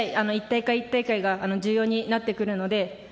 １大会１大会が重要になってくるので